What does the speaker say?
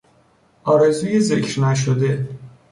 آرزوی ذکر نشده